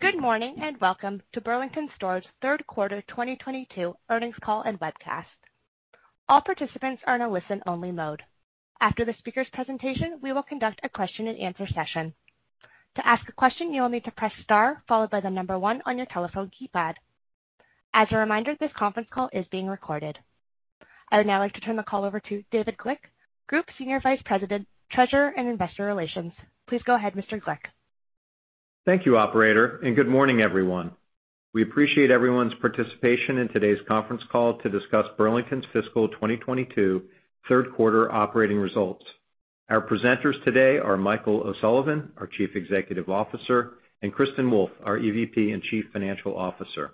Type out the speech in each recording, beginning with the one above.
Good morning, and welcome to Burlington Stores' 3rd quarter 2022 earnings call and webcast. All participants are in a listen-only mode. After the speaker's presentation, we will conduct a question-and-answer session. To ask a question, you will need to press Star followed by the number 1 on your telephone keypad. As a reminder, this conference call is being recorded. I would now like to turn the call over to David Glick, Group Senior Vice President, Treasurer, and Investor Relations. Please go ahead, Mr. Glick. Thank you, operator. Good morning, everyone. We appreciate everyone's participation in today's conference call to discuss Burlington's fiscal 2022 3rd quarter operating results. Our presenters today are Michael O'Sullivan, our Chief Executive Officer, and Kristin Wolfe, our EVP and Chief Financial Officer.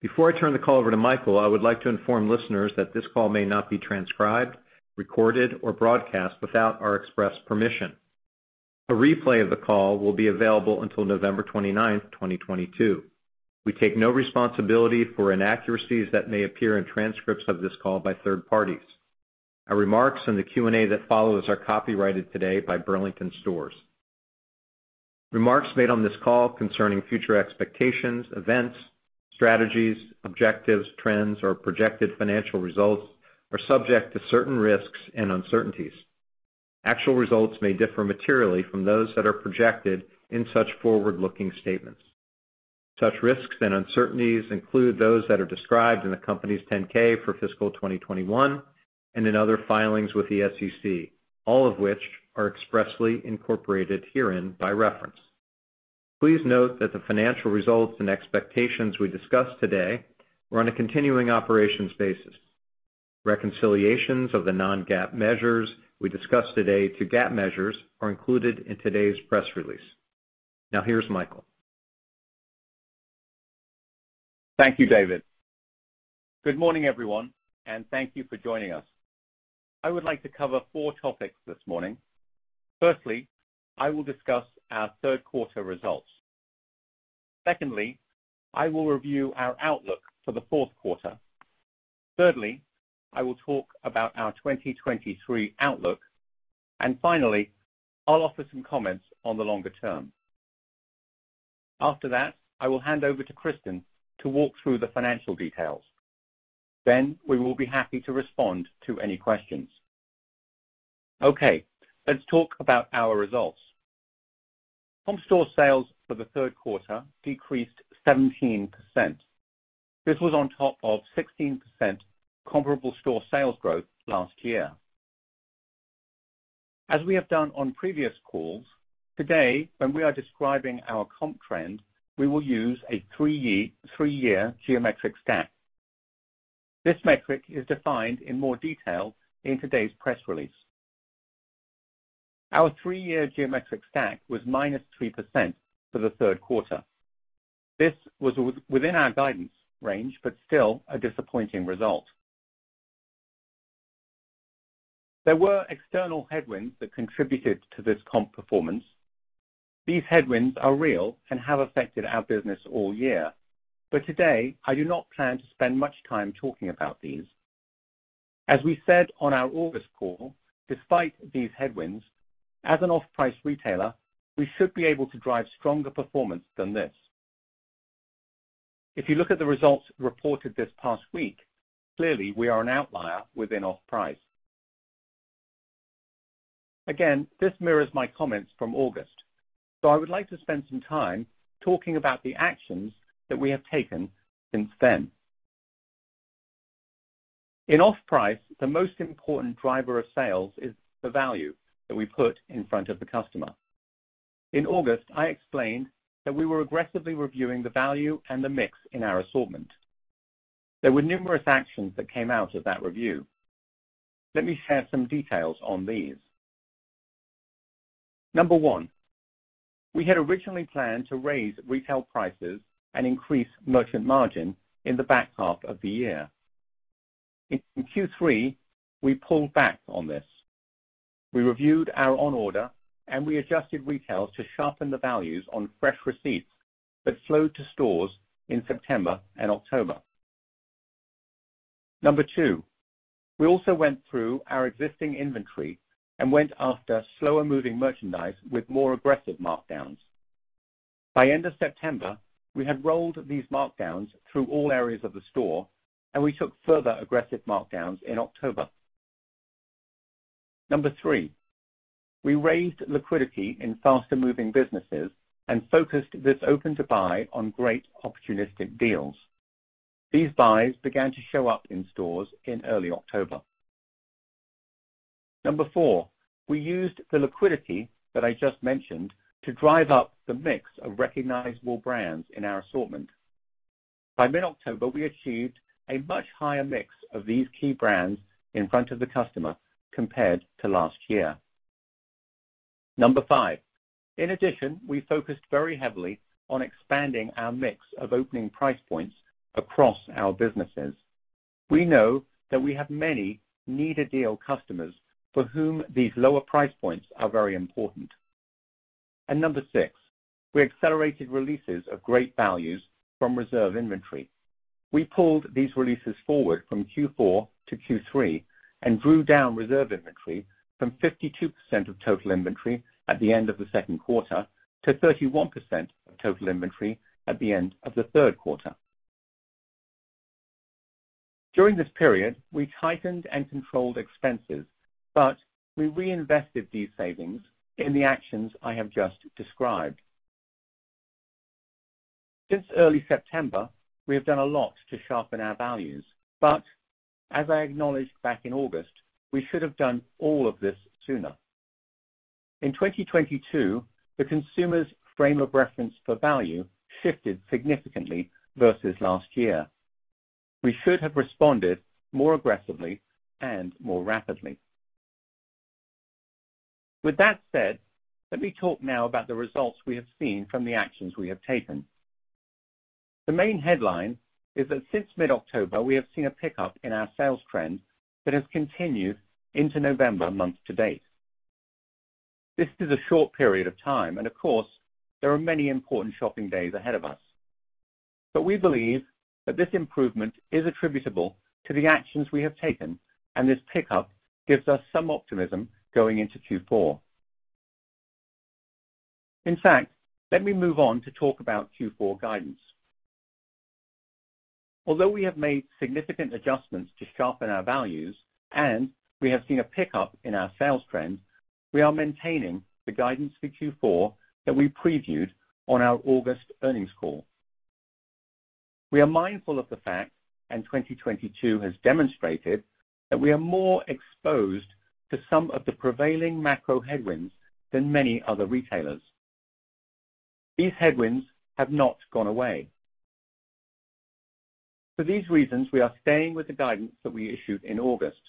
Before I turn the call over to Michael, I would like to inform listeners that this call may not be transcribed, recorded, or broadcast without our express permission. A replay of the call will be available until November 29th, 2022. We take no responsibility for inaccuracies that may appear in transcripts of this call by 3rd parties. Our remarks in the Q&A that follows are copyrighted today by Burlington Stores. Remarks made on this call concerning future expectations, events, strategies, objectives, trends, or projected financial results are subject to certain risks and uncertainties. Actual results may differ materially from those that are projected in such forward-looking statements. Such risks and uncertainties include those that are described in the company's 10-K for fiscal 2021 and in other filings with the SEC, all of which are expressly incorporated herein by reference. Please note that the financial results and expectations we discuss today are on a continuing operations basis. Reconciliations of the non-GAAP measures we discuss today to GAAP measures are included in today's press release. Now here's Michael. Thank you, David. Good morning, everyone, and thank you for joining us. I would like to cover four topics this morning. Firstly, I will discuss our 3rd quarter results. Secondly, I will review our outlook for the 4th quarter. Thirdly, I will talk about our 2023 outlook. Finally, I'll offer some comments on the longer term. After that, I will hand over to Kristin to walk through the financial details. We will be happy to respond to any questions. Okay, let's talk about our results. Comp store sales for the 3rd quarter decreased 17%. This was on top of 16% comparable store sales growth last year. As we have done on previous calls, today when we are describing our comp trend, we will use a 3 year geometric stack. This metric is defined in more detail in today's press release. Our 3 year geometric stack was -3% for the 3rd quarter. This was within our guidance range, but still a disappointing result. There were external headwinds that contributed to this comp performance. These headwinds are real and have affected our business all year. Today, I do not plan to spend much time talking about these. As we said on our August call, despite these headwinds, as an off-price retailer, we should be able to drive stronger performance than this. If you look at the results reported this past week, clearly we are an outlier within off-price. Again, this mirrors my comments from August. I would like to spend some time talking about the actions that we have taken since then. In off-price, the most important driver of sales is the value that we put in front of the customer. In August, I explained that we were aggressively reviewing the value and the mix in our assortment. There were numerous actions that came out of that review. Let me share some details on these. Number 1, we had originally planned to raise retail prices and increase merchant margin in the back half of the year. In Q3, we pulled back on this. We reviewed our on order, and we adjusted retails to sharpen the values on fresh receipts that flowed to stores in September and October. Number 2, we also went through our existing inventory and went after slower-moving merchandise with more aggressive markdowns. By end of September, we had rolled these markdowns through all areas of the store, and we took further aggressive markdowns in October. Number 3, we raised liquidity in faster-moving businesses and focused this open-to-buy on great opportunistic deals. These buys began to show up in stores in early October. Number 4, we used the liquidity that I just mentioned to drive up the mix of recognizable brands in our assortment. By mid-October, we achieved a much higher mix of these key brands in front of the customer compared to last year. Number 5, in addition, we focused very heavily on expanding our mix of opening price points across our businesses. We know that we have many need-a-deal customers for whom these lower price points are very important. Number 6, we accelerated releases of great values from reserve inventory. We pulled these releases forward from Q4 to Q3 and drew down reserve inventory from 52% of total inventory at the end of the second quarter to 31% of total inventory at the end of the 3rd quarter. During this period, we tightened and controlled expenses. We reinvested these savings in the actions I have just described. Since early September, we have done a lot to sharpen our values. As I acknowledged back in August, we should have done all of this sooner. In 2022, the consumer's frame of reference for value shifted significantly versus last year. We should have responded more aggressively and more rapidly. With that said, let me talk now about the results we have seen from the actions we have taken. The main headline is that since mid-October, we have seen a pickup in our sales trend that has continued into November month to date. This is a short period of time, and of course, there are many important shopping days ahead of us. We believe that this improvement is attributable to the actions we have taken, and this pickup gives us some optimism going into Q4. In fact, let me move on to talk about Q4 guidance. Although we have made significant adjustments to sharpen our values and we have seen a pickup in our sales trends, we are maintaining the guidance for Q4 that we previewed on our August earnings call. We are mindful of the fact, and 2022 has demonstrated, that we are more exposed to some of the prevailing macro headwinds than many other retailers. These headwinds have not gone away. For these reasons, we are staying with the guidance that we issued in August.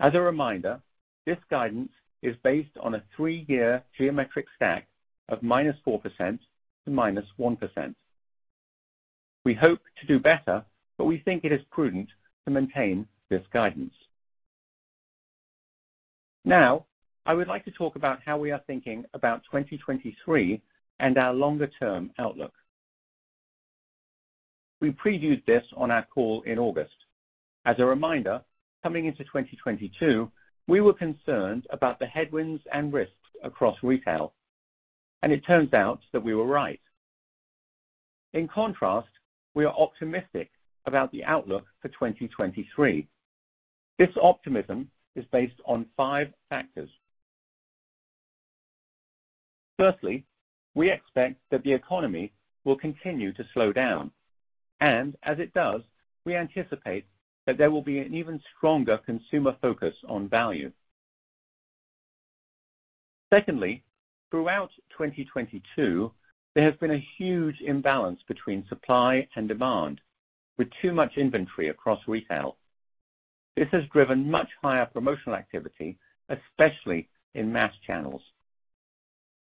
As a reminder, this guidance is based on a three-year geometric stack of -4% to -1%. We hope to do better, we think it is prudent to maintain this guidance. I would like to talk about how we are thinking about 2023 and our longer-term outlook. We previewed this on our call in August. As a reminder, coming into 2022, we were concerned about the headwinds and risks across retail, it turns out that we were right. In contrast, we are optimistic about the outlook for 2023. This optimism is based on five factors. Firstly, we expect that the economy will continue to slow down, as it does, we anticipate that there will be an even stronger consumer focus on value. Secondly, throughout 2022, there has been a huge imbalance between supply and demand, with too much inventory across retail. This has driven much higher promotional activity, especially in mass channels.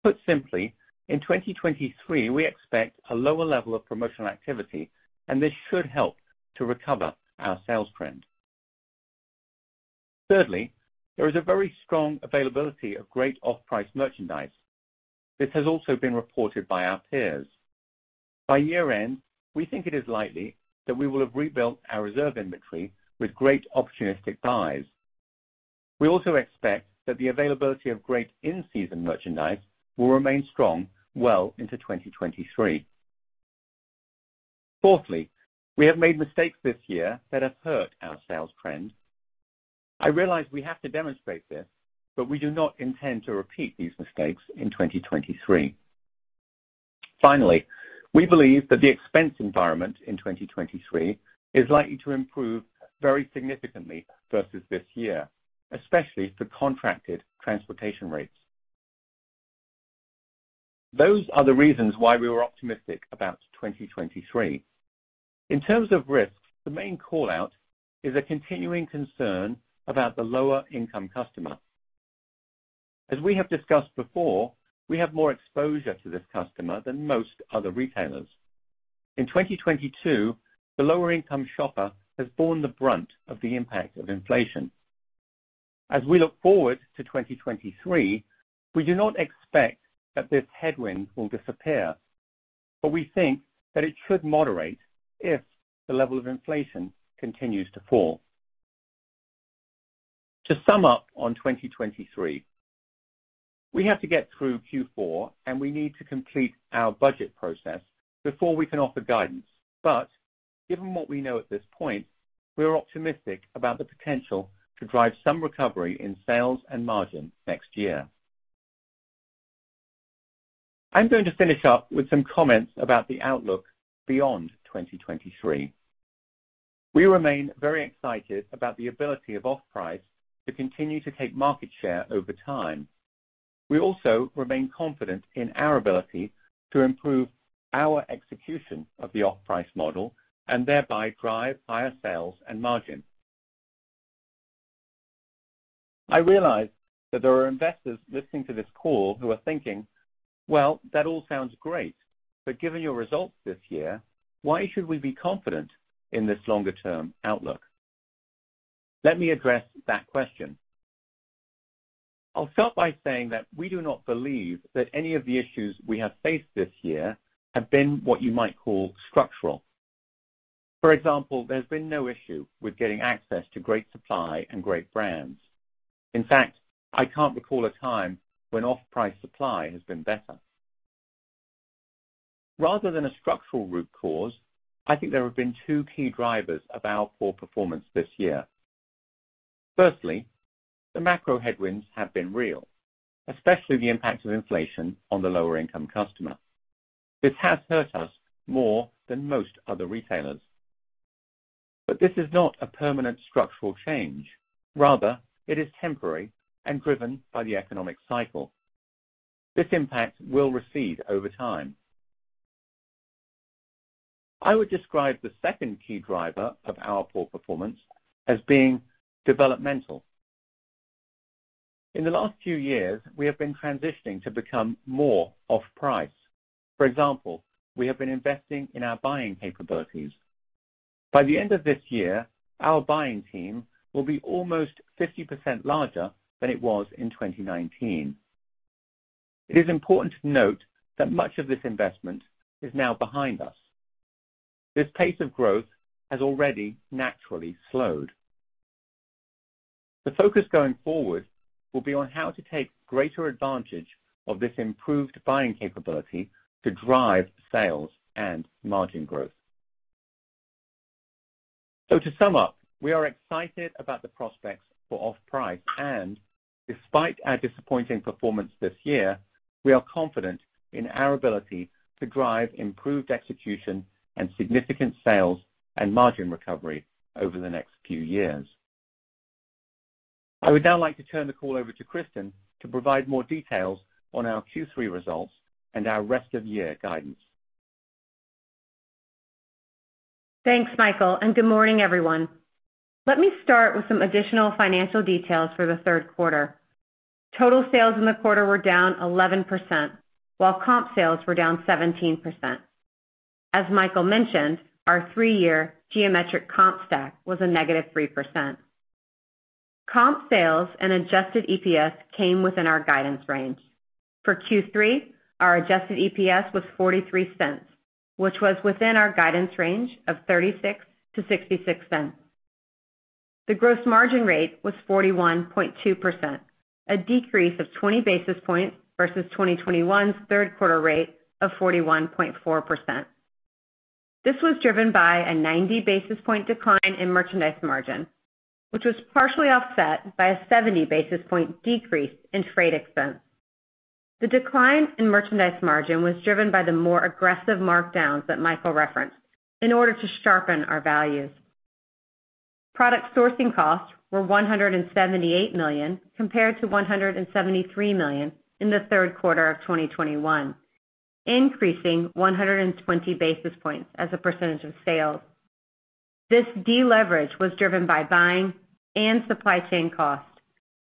Put simply, in 2023, we expect a lower level of promotional activity. This should help to recover our sales trend. Thirdly, there is a very strong availability of great off-price merchandise. This has also been reported by our peers. By year-end, we think it is likely that we will have rebuilt our reserve inventory with great opportunistic buys. We also expect that the availability of great in-season merchandise will remain strong well into 2023. Fourthly, we have made mistakes this year that have hurt our sales trends. I realize we have to demonstrate this. We do not intend to repeat these mistakes in 2023. Finally, we believe that the expense environment in 2023 is likely to improve very significantly versus this year, especially for contracted transportation rates. Those are the reasons why we are optimistic about 2023. In terms of risks, the main call-out is a continuing concern about the lower-income customer. As we have discussed before, we have more exposure to this customer than most other retailers. In 2022, the lower-income shopper has borne the brunt of the impact of inflation. As we look forward to 2023, we do not expect that this headwind will disappear, but we think that it should moderate if the level of inflation continues to fall. To sum up on 2023, we have to get through Q4, and we need to complete our budget process before we can offer guidance. Given what we know at this point, we are optimistic about the potential to drive some recovery in sales and margin next year. I'm going to finish up with some comments about the outlook beyond 2023. We remain very excited about the ability of off-price to continue to take market share over time. We also remain confident in our ability to improve our execution of the off-price model and thereby drive higher sales and margin. I realize that there are investors listening to this call who are thinking, "Well, that all sounds great, but given your results this year, why should we be confident in this longer-term outlook?" Let me address that question. I'll start by saying that we do not believe that any of the issues we have faced this year have been what you might call structural. For example, there's been no issue with getting access to great supply and great brands. In fact, I can't recall a time when off-price supply has been better. Rather than a structural root cause, I think there have been two key drivers of our poor performance this year. Firstly, the macro headwinds have been real, especially the impact of inflation on the lower income customer. This has hurt us more than most other retailers. This is not a permanent structural change. Rather, it is temporary and driven by the economic cycle. This impact will recede over time. I would describe the second key driver of our poor performance as being developmental. In the last few years, we have been transitioning to become more off price. For example, we have been investing in our buying capabilities. By the end of this year, our buying team will be almost 50% larger than it was in 2019. It is important to note that much of this investment is now behind us. This pace of growth has already naturally slowed. The focus going forward will be on how to take greater advantage of this improved buying capability to drive sales and margin growth. To sum up, we are excited about the prospects for off price. Despite our disappointing performance this year, we are confident in our ability to drive improved execution and significant sales and margin recovery over the next few years. I would now like to turn the call over to Kristin to provide more details on our Q3 results and our rest of year guidance. Thanks, Michael, and good morning, everyone. Let me start with some additional financial details for the 3rd quarter. Total sales in the quarter were down 11%, while comp sales were down 17%. As Michael mentioned, our 3 year geometric comp stack was a -3%. Comp sales and adjusted EPS came within our guidance range. For Q3, our adjusted EPS was $0.43, which was within our guidance range of $0.36-$0.66. The gross margin rate was 41.2%, a decrease of 20 basis points versus 2021's 3rd quarter rate of 41.4%. This was driven by a 90 basis point decline in merchandise margin, which was partially offset by a 70 basis point decrease in freight expense. The decline in merchandise margin was driven by the more aggressive markdowns that Michael referenced in order to sharpen our values. Product sourcing costs were $178 million compared to $173 million in the 3rd quarter of 2021, increasing 120 basis points as a % of sales. This deleverage was driven by buying and supply chain costs.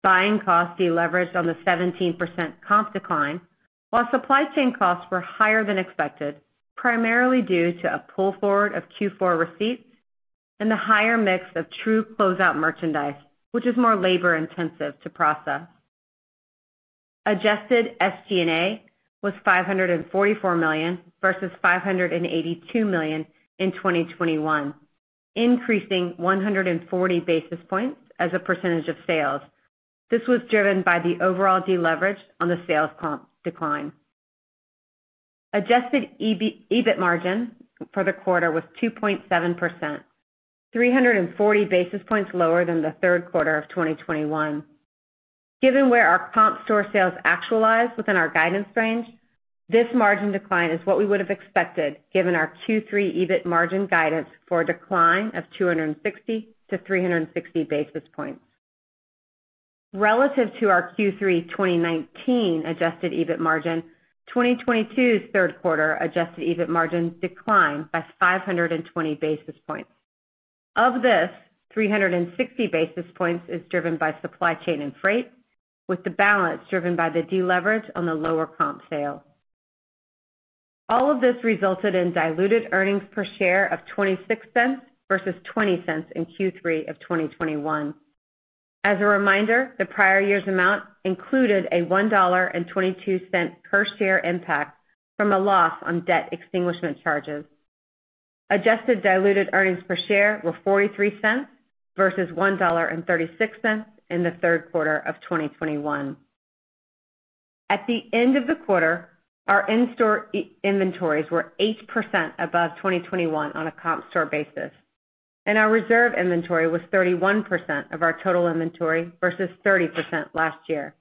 Buying costs deleveraged on the 17% comp decline, while supply chain costs were higher than expected, primarily due to a pull forward of Q4 receipts and the higher mix of true closeout merchandise, which is more labor-intensive to process. Adjusted SG&A was $544 million versus $582 million in 2021, increasing 140 basis points as a % of sales. This was driven by the overall deleverage on the sales comp decline. Adjusted EBIT margin for the quarter was 2.7%, 340 basis points lower than the 3rd quarter of 2021. Given where our comp store sales actualized within our guidance range, this margin decline is what we would have expected given our Q3 EBIT margin guidance for a decline of 260-360 basis points. Relative to our Q3 2019 adjusted EBIT margin, 2022's 3rd quarter adjusted EBIT margin declined by 520 basis points. Of this, 360 basis points is driven by supply chain and freight, with the balance driven by the deleverage on the lower comp sale. All of this resulted in diluted earnings per share of $0.26 versus $0.20 in Q3 of 2021. As a reminder, the prior year's amount included a $1.22 per share impact from a loss on debt extinguishment charges. Adjusted diluted earnings per share were $0.43 versus $1.36 in the 3rd quarter of 2021. At the end of the quarter, our in-store inventories were 8% above 2021 on a comp store basis, and our reserve inventory was 31% of our total inventory versus 30% last year.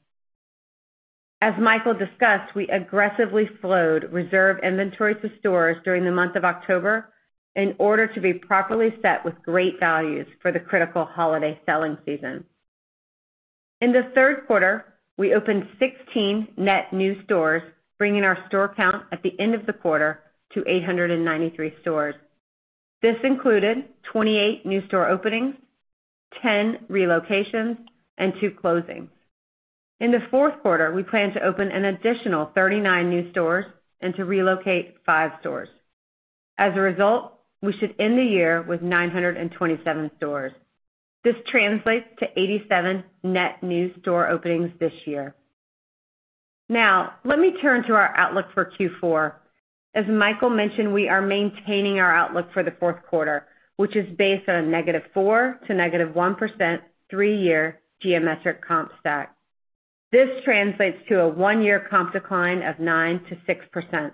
As Michael discussed, we aggressively flowed reserve inventory to stores during the month of October in order to be properly set with great values for the critical holiday selling season. In the 3rd quarter, we opened 16 net new stores, bringing our store count at the end of the quarter to 893 stores. This included 28 new store openings, 10 relocations, and 2 closings. In the 4th quarter, we plan to open an additional 39 new stores and to relocate 5 stores. As a result, we should end the year with 927 stores. This translates to 87 net new store openings this year. Let me turn to our outlook for Q4. As Michael mentioned, we are maintaining our outlook for the 4th quarter, which is based on a -4% to -1% three-year geometric comp stack. This translates to a one-year comp decline of 9% to 6%.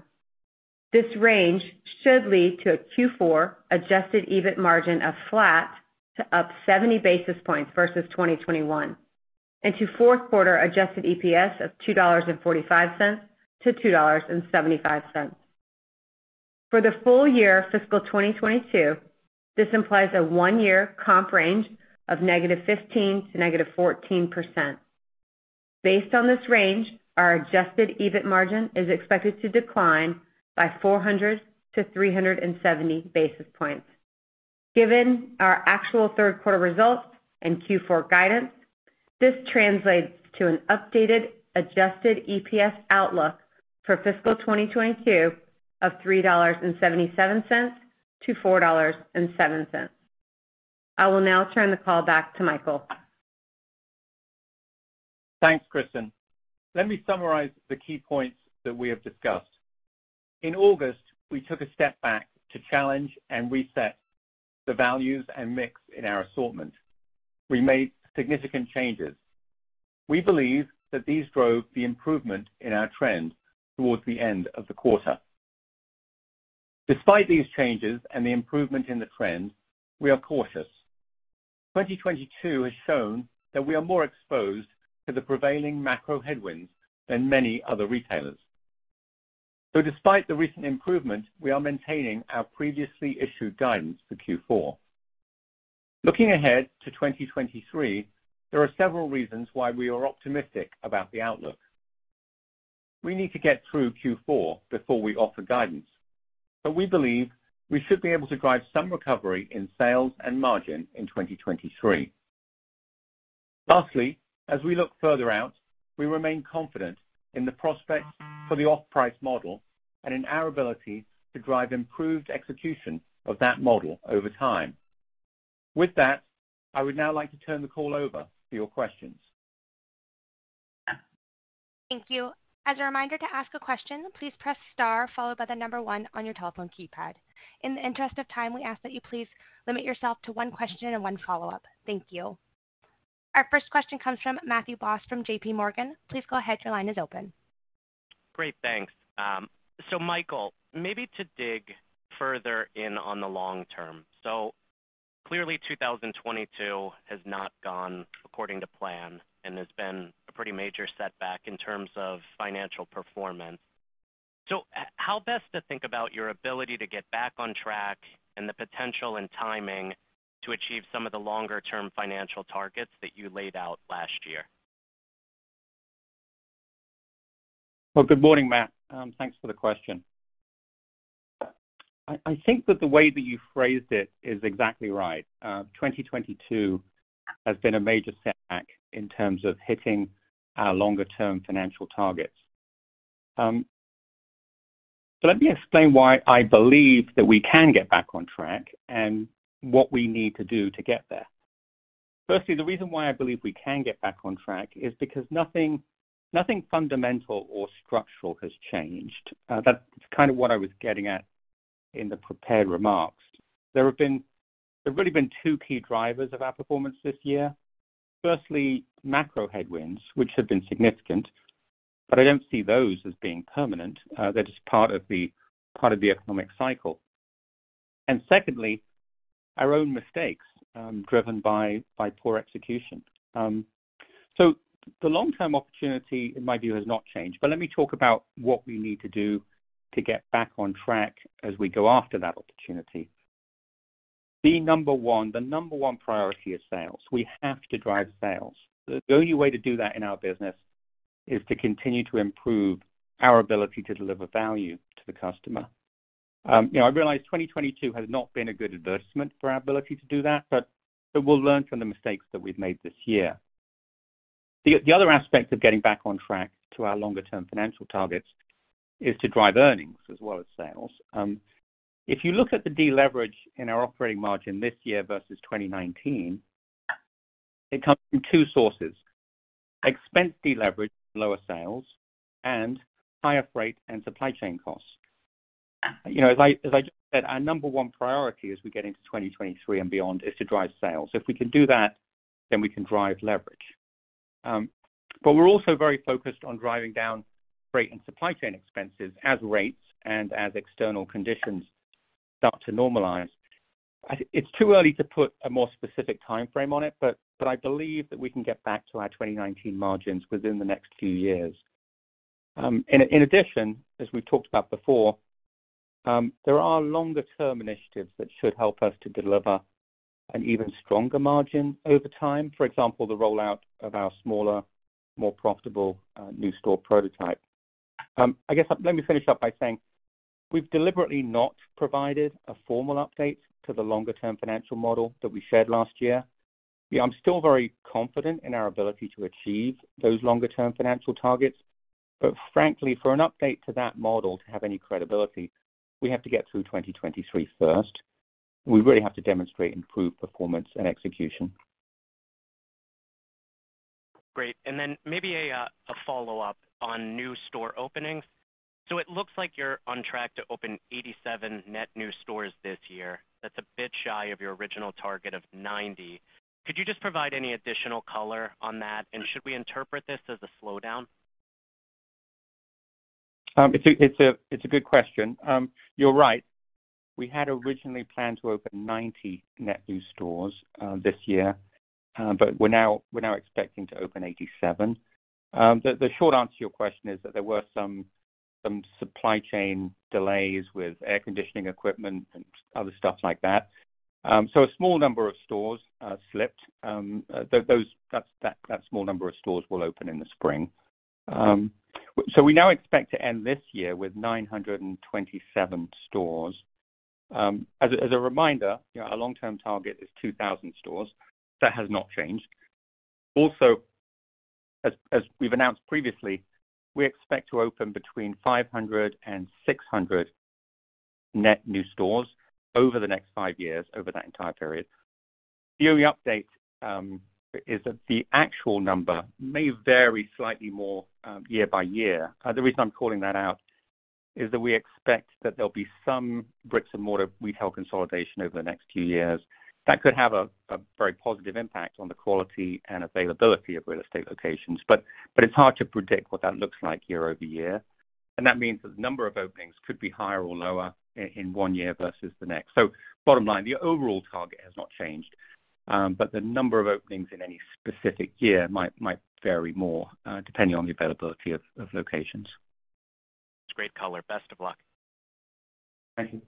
This range should lead to a Q4 adjusted EBIT margin of flat to up 70 basis points versus 2021 and to 4th quarter adjusted EPS of $2.45 to $2.75. For the full year fiscal 2022, this implies a one-year comp range of -15% to -14%. Based on this range, our adjusted EBIT margin is expected to decline by 400-370 basis points. Given our actual 3rd quarter results and Q4 guidance, this translates to an updated adjusted EPS outlook for fiscal 2022 of $3.77-$4.07. I will now turn the call back to Michael. Thanks, Kristin. Let me summarize the key points that we have discussed. In August, we took a step back to challenge and reset the values and mix in our assortment. We made significant changes. We believe that these drove the improvement in our trend towards the end of the quarter. Despite these changes and the improvement in the trend, we are cautious. 2022 has shown that we are more exposed to the prevailing macro headwinds than many other retailers. Despite the recent improvements, we are maintaining our previously issued guidance for Q4. Looking ahead to 2023, there are several reasons why we are optimistic about the outlook. We need to get through Q4 before we offer guidance, but we believe we should be able to drive some recovery in sales and margin in 2023. Lastly, as we look further out, we remain confident in the prospects for the off-price model and in our ability to drive improved execution of that model over time. With that, I would now like to turn the call over to your questions. Thank you. As a reminder to ask a question, please press star followed by 1 on your telephone keypad. In the interest of time, we ask that you please limit yourself to 1 question and 1 follow-up. Thank you. Our first question comes from Matthew Boss from JPMorgan. Please go ahead. Your line is open. Great, thanks. Michael, maybe to dig further in on the long term? Clearly 2022 has not gone according to plan and has been a pretty major setback in terms of financial performance. How best to think about your ability to get back on track and the potential and timing to achieve some of the longer-term financial targets that you laid out last year? Well, good morning, Matt. Thanks for the question. I think that the way that you phrased it is exactly right. 2022 has been a major setback in terms of hitting our longer-term financial targets. Let me explain why I believe that we can get back on track and what we need to do to get there. Firstly, the reason why I believe we can get back on track is because nothing fundamental or structural has changed. That's kind of what I was getting at in the prepared remarks. There have really been 2 key drivers of our performance this year. Firstly, macro headwinds, which have been significant, I don't see those as being permanent. They're just part of the economic cycle. Secondly, our own mistakes, driven by poor execution. The long-term opportunity, in my view, has not changed. Let me talk about what we need to do to get back on track as we go after that opportunity. The number one priority is sales. We have to drive sales. The only way to do that in our business is to continue to improve our ability to deliver value to the customer. You know, I realize 2022 has not been a good advertisement for our ability to do that, but we'll learn from the mistakes that we've made this year. The other aspect of getting back on track to our longer-term financial targets is to drive earnings as well as sales. If you look at the deleverage in our operating margin this year versus 2019, it comes from two sources: expense deleverage, lower sales, and higher freight and supply chain costs. You know, as I said, our number one priority as we get into 2023 and beyond is to drive sales. If we can do that, then we can drive leverage. We're also very focused on driving down freight and supply chain expenses as rates and as external conditions start to normalize. It's too early to put a more specific timeframe on it, I believe that we can get back to our 2019 margins within the next few years. In addition, as we've talked about before, there are longer-term initiatives that should help us to deliver an even stronger margin over time. For example, the rollout of our smaller, more profitable new store prototype. I guess let me finish up by saying we've deliberately not provided a formal update to the longer-term financial model that we shared last year. I'm still very confident in our ability to achieve those longer-term financial targets. Frankly, for an update to that model to have any credibility, we have to get through 2023 first. We really have to demonstrate improved performance and execution. Great. Then maybe a follow-up on new store openings. It looks like you're on track to open 87 net new stores this year. That's a bit shy of your original target of 90. Could you just provide any additional color on that? Should we interpret this as a slowdown? It's a good question. You're right. We had originally planned to open 90 net new stores this year. We're now expecting to open 87. The short answer to your question is that there were some supply chain delays with air conditioning equipment and other stuff like that. A small number of stores slipped. That small number of stores will open in the spring. We now expect to end this year with 927 stores. As a reminder, you know, our long-term target is 2,000 stores. That has not changed. Also, as we've announced previously, we expect to open between 500 and 600 net new stores over the next 5 years, over that entire period. The only update is that the actual number may vary slightly more year-over-year. The reason I'm calling that out is that we expect that there'll be some bricks and mortar retail consolidation over the next few years. That could have a very positive impact on the quality and availability of real estate locations. It's hard to predict what that looks like year-over-year. That means that the number of openings could be higher or lower in one year versus the next. Bottom line, the overall target has not changed. The number of openings in any specific year might vary more depending on the availability of locations. Great color. Best of luck. Thank you.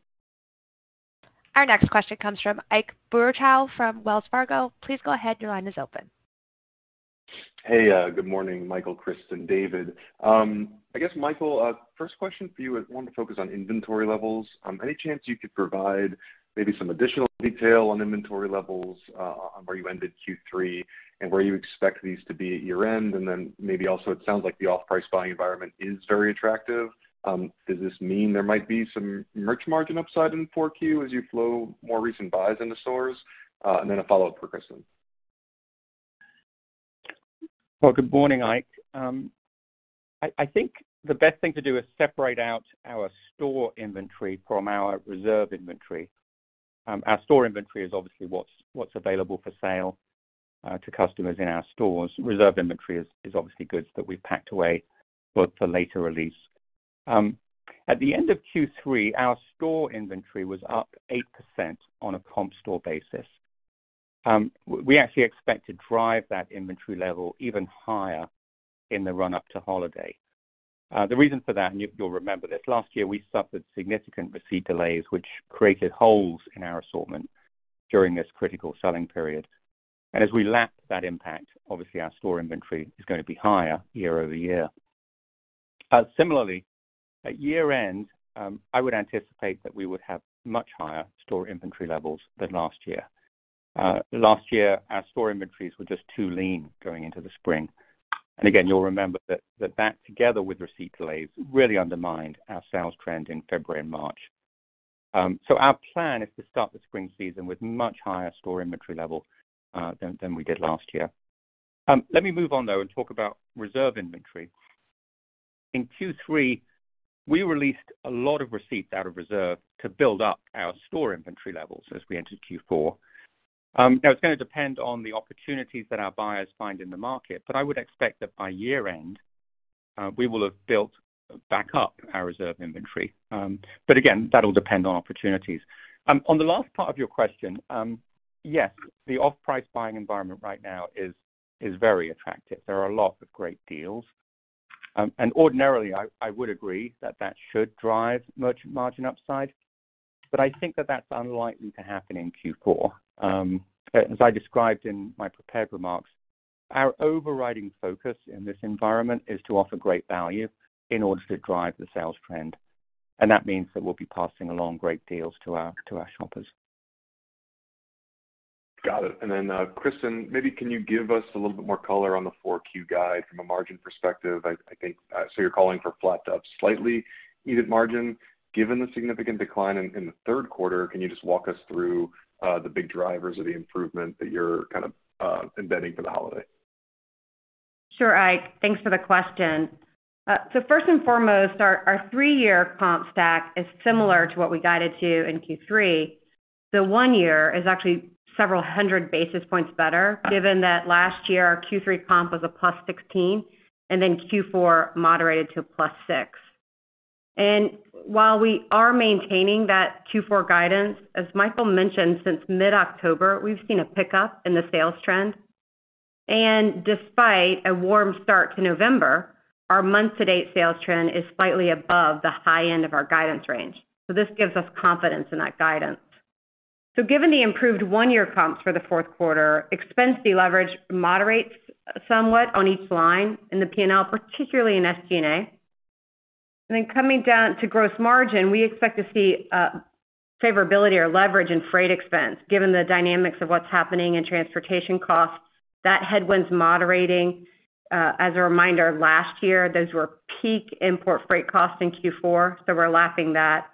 Our next question comes from Ike Boruchow from Wells Fargo. Please go ahead. Your line is open. Hey, good morning, Michael, Kristin, David. I guess, Michael, first question for you, I want to focus on inventory levels. Any chance you could provide maybe some additional detail on inventory levels, on where you ended Q3 and where you expect these to be at year-end? Maybe also, it sounds like the off-price buying environment is very attractive. Does this mean there might be some merch margin upside in 4Q as you flow more recent buys in the stores? A follow-up for Kristin. Well, good morning, Ike. I think the best thing to do is separate out our store inventory from our reserve inventory. Our store inventory is obviously what's available for sale to customers in our stores. Reserve inventory is obviously goods that we've packed away for later release. At the end of Q3, our store inventory was up 8% on a comp store basis. We actually expect to drive that inventory level even higher in the run-up to holiday. The reason for that, and you'll remember this, last year, we suffered significant receipt delays, which created holes in our assortment during this critical selling period. As we lap that impact, obviously our store inventory is gonna be higher year-over-year. Similarly, at year-end, I would anticipate that we would have much higher store inventory levels than last year. Last year, our store inventories were just too lean going into the spring. Again, you'll remember that together with receipt delays, really undermined our sales trend in February and March. Our plan is to start the spring season with much higher store inventory level than we did last year. Let me move on, though, and talk about reserve inventory. In Q3, we released a lot of receipts out of reserve to build up our store inventory levels as we entered Q4. Now it's going to depend on the opportunities that our buyers find in the market, but I would expect that by year-end, we will have built back up our reserve inventory. Again, that'll depend on opportunities. On the last part of your question, yes, the off-price buying environment right now is very attractive. There are a lot of great deals. Ordinarily, I would agree that that should drive merchant margin upside, but I think that that's unlikely to happen in Q4. As I described in my prepared remarks, our overriding focus in this environment is to offer great value in order to drive the sales trend. That means that we'll be passing along great deals to our shoppers. Got it. Kristin, maybe can you give us a little bit more color on the Q4 guide from a margin perspective? You're calling for flat to up slightly EBIT margin. Given the significant decline in the 3rd quarter, can you just walk us through the big drivers of the improvement that you're kind of embedding for the holiday? Sure, Ike. Thanks for the question. First and foremost, our 3 year comp stack is similar to what we guided to in Q3. The 1 year is actually several 100 basis points better, given that last year, our Q3 comp was a +16, and then Q4 moderated to a +6. While we are maintaining that Q4 guidance, as Michael mentioned, since mid-October, we've seen a pickup in the sales trend. Despite a warm start to November, our month-to-date sales trend is slightly above the high end of our guidance range. This gives us confidence in that guidance. Given the improved 1-year comps for the 4th quarter, expense deleverage moderates somewhat on each line in the P&L, particularly in SG&A. Coming down to gross margin, we expect to see favorability or leverage in freight expense, given the dynamics of what's happening in transportation costs. That headwind's moderating. As a reminder, last year, those were peak import freight costs in Q4, so we're lapping that.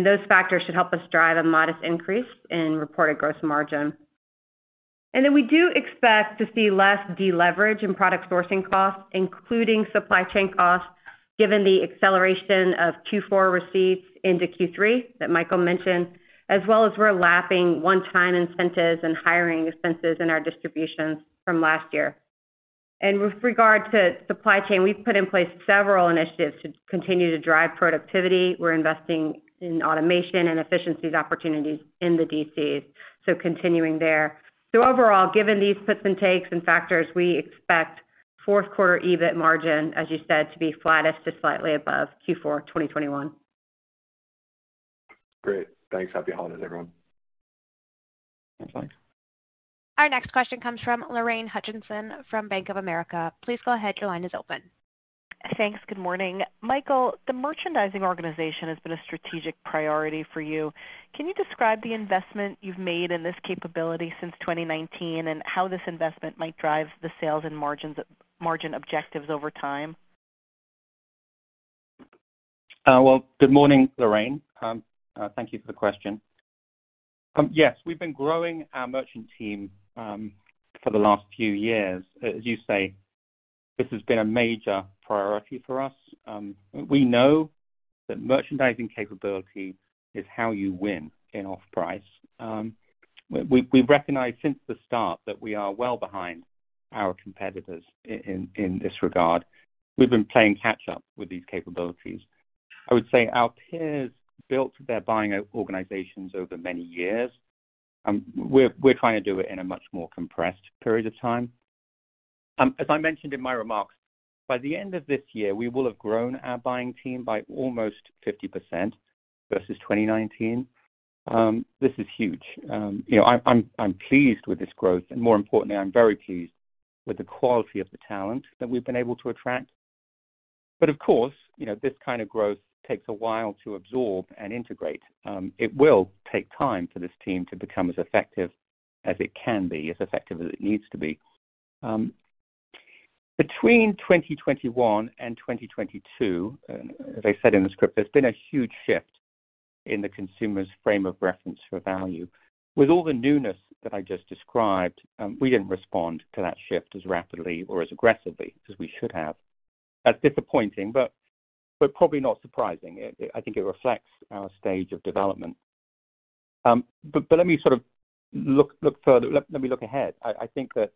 Those factors should help us drive a modest increase in reported gross margin. We do expect to see less deleverage in product sourcing costs, including supply chain costs, given the acceleration of Q4 receipts into Q3 that Michael mentioned, as well as we're lapping 1-time incentives and hiring expenses in our distributions from last year. With regard to supply chain, we've put in place several initiatives to continue to drive productivity. We're investing in automation and efficiencies opportunities in the DCs, so continuing there. Overall, given these puts and takes and factors, we expect 4th quarter EBIT margin, as you said, to be flattest to slightly above Q4 2021. Great. Thanks. Happy holidays, everyone. Thanks. Our next question comes from Lorraine Hutchinson from Bank of America. Please go ahead. Your line is open. Thanks. Good morning. Michael, the merchandising organization has been a strategic priority for you. Can you describe the investment you've made in this capability since 2019 and how this investment might drive the sales and margins, margin objectives over time? Well, good morning, Lorraine. Thank you for the question. Yes, we've been growing our merchant team for the last few years. As you say, this has been a major priority for us. We know that merchandising capability is how you win in off-price. We've recognized since the start that we are well behind our competitors in this regard. We've been playing catch up with these capabilities. I would say our peers built their buying organizations over many years. We're trying to do it in a much more compressed period of time. As I mentioned in my remarks, by the end of this year, we will have grown our buying team by almost 50% versus 2019. This is huge. You know, I'm pleased with this growth, and more importantly, I'm very pleased with the quality of the talent that we've been able to attract. Of course, you know, this kind of growth takes a while to absorb and integrate. It will take time for this team to become as effective as it can be, as effective as it needs to be. Between 2021 and 2022, as I said in the script, there's been a huge shift in the consumer's frame of reference for value. With all the newness that I just described, we didn't respond to that shift as rapidly or as aggressively as we should have. That's disappointing, but probably not surprising. I think it reflects our stage of development. Let me sort of look further. Let me look ahead. I think that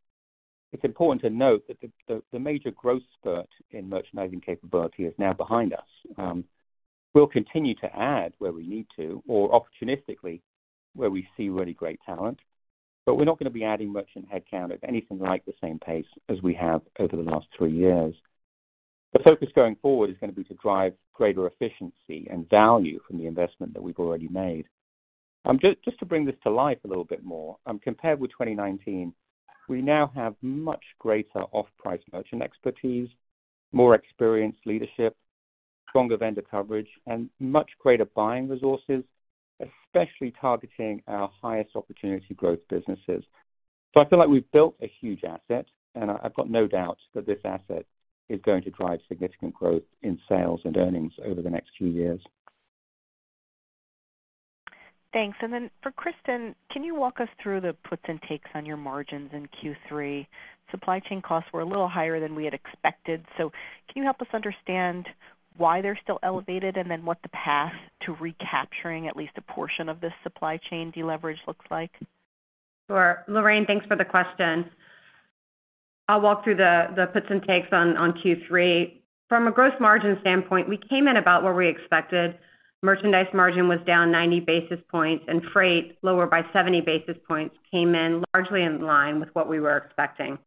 it's important to note that the major growth spurt in merchandising capability is now behind us. We'll continue to add where we need to or opportunistically where we see really great talent, but we're not gonna be adding much in headcount at anything like the same pace as we have over the last 3 years. The focus going forward is gonna be to drive greater efficiency and value from the investment that we've already made. Just to bring this to life a little bit more, compared with 2019, we now have much greater off-price merchant expertise, more experienced leadership, stronger vendor coverage, and much greater buying resources, especially targeting our highest opportunity growth businesses. I feel like we've built a huge asset, and I've got no doubt that this asset is going to drive significant growth in sales and earnings over the next few years. Thanks. For Kristin, can you walk us through the puts and takes on your margins in Q3? Supply chain costs were a little higher than we had expected. Can you help us understand why they're still elevated and then what the path to recapturing at least a portion of this supply chain deleverage looks like? Sure. Lorraine, thanks for the question. I'll walk through the puts and takes on Q3. From a gross margin standpoint, we came in about where we expected. Merchandise margin was down 90 basis points and freight lower by 70 basis points came in largely in line with what we were expecting.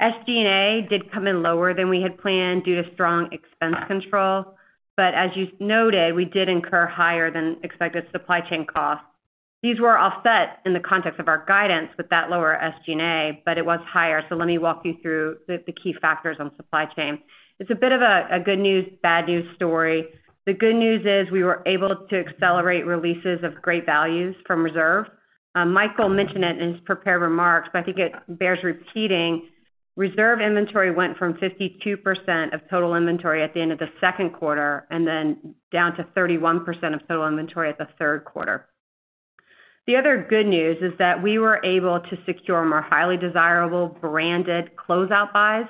SG&A did come in lower than we had planned due to strong expense control, as you noted, we did incur higher than expected supply chain costs. These were offset in the context of our guidance with that lower SG&A, it was higher. Let me walk you through the key factors on supply chain. It's a bit of a good news, bad news story. The good news is we were able to accelerate releases of great values from Reserve. Michael mentioned it in his prepared remarks, I think it bears repeating. Reserve inventory went from 52% of total inventory at the end of the 2nd quarter and then down to 31% of total inventory at the 3rd quarter. The other good news is that we were able to secure more highly desirable branded closeout buys.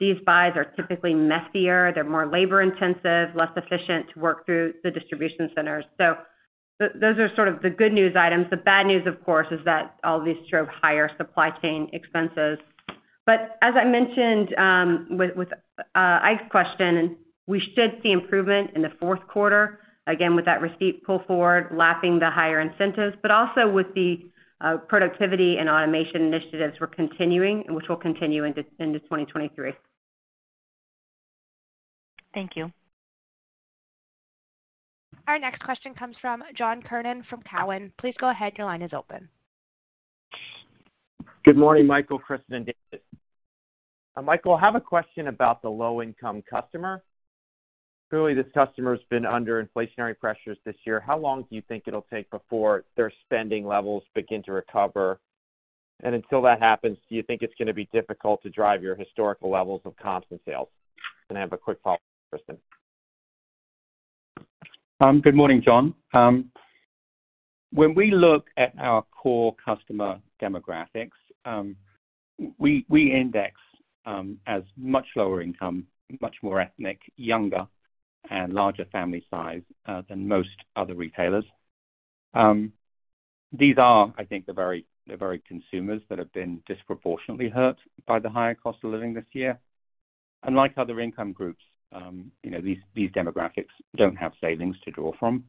These buys are typically messier. They're more labor-intensive, less efficient to work through the distribution centers. Those are sort of the good news items. The bad news, of course, is that all these drove higher supply chain expenses. As I mentioned, with Ike's question, we should see improvement in the 4th quarter, again, with that receipt pull forward, lapping the higher incentives, but also with the productivity and automation initiatives we're continuing, which will continue into 2023. Thank you. Our next question comes from John Kernan from Cowen. Please go ahead. Your line is open. Good morning, Michael, Kristin, and David. Michael, I have a question about the low income customer. Clearly, this customer's been under inflationary pressures this year. How long do you think it'll take before their spending levels begin to recover? Until that happens, do you think it's gonna be difficult to drive your historical levels of comps and sales? I have a quick follow-up for Kristin. Good morning, John. When we look at our core customer demographics, we index as much lower income, much more ethnic, younger and larger family size than most other retailers. These are, I think, the very consumers that have been disproportionately hurt by the higher cost of living this year. Unlike other income groups, you know, these demographics don't have savings to draw from.